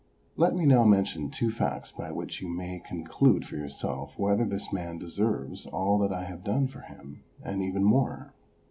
Let me now mention two facts by which you may con clude for yourself whether this man deserves all that I have done for him and even more.